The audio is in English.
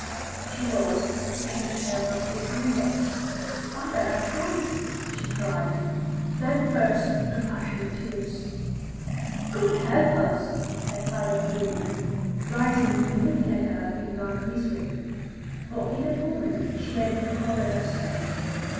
She rose, pushing the chair back behind her. "Father, I can't!" she cried; then burst into a passion of tears. "God help us!" her father breathed, rising and looking at her in blank misery. But in a moment she had recovered herself.